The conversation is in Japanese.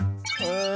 うん。